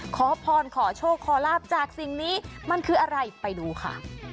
ขอพรขอโชคขอลาบจากสิ่งนี้มันคืออะไรไปดูค่ะ